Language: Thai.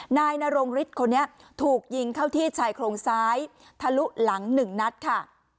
นายนรงฤทธิ์คนนี้ถูกยิงเข้าที่ชายโครงซ้ายทะลุหลังหนึ่งนัดค่ะ